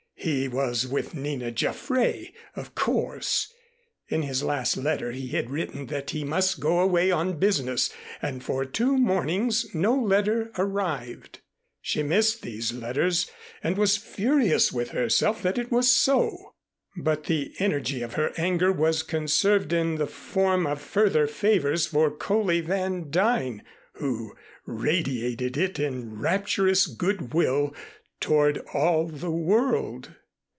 He was with Nina Jaffray, of course. In his last letter he had written that he must go away on business and for two mornings no letter arrived. She missed these letters and was furious with herself that it was so. But the energy of her anger was conserved in the form of further favors for Coley Van Duyn who radiated it in rapturous good will toward all the world.